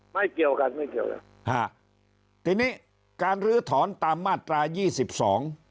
ไม่เกี่ยวกันไม่เกี่ยวกันฮะทีนี้การลื้อถอนตามมาตรายี่สิบสอง